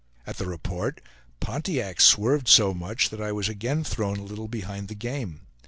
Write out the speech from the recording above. At the report, Pontiac swerved so much that I was again thrown a little behind the game.